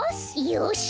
よし！